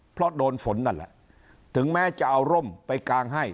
เพราะโดนฝนนั่นแหละถึงแม้จะเอาร่มไปกางให้